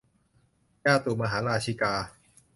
จาตุมหาราชิกา